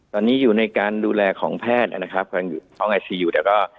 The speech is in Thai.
ตอนนี้อยู่ในการดูแลของแพทย์นะครับตรงย่อต้องไอซีอยู่